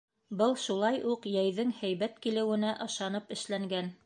Был шулай уҡ йәйҙең һәйбәт килеүенә ышанып эшләнгән.